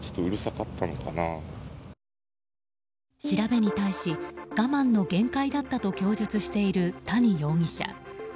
調べに対し我慢の限界だったと供述している谷容疑者。